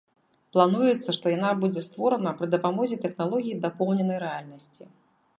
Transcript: Плануецца, што яна будзе створана пры дапамозе тэхналогіі дапоўненай рэальнасці.